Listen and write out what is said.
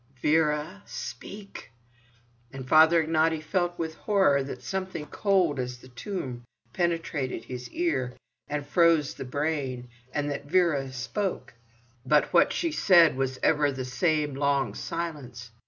"Vera! Speak!" And Father Ignaty felt with horror that something cold as the tomb penetrated his ear, and froze the brain, and that Vera spoke—but what she said was ever the same long silence.